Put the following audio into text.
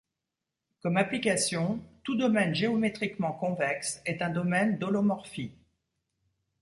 Comme application, tout domaine géométriquement convexe est un domaine d'holomorphie.